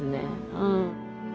うん。